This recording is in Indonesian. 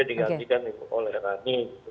dikatikan oleh rani